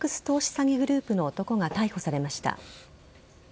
詐欺グループの男が逮捕されました。